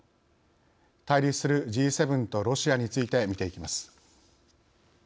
対立するＧ７とロシアについて見ていきます。